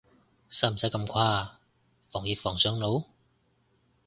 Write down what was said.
使唔使咁誇啊，防疫防上腦？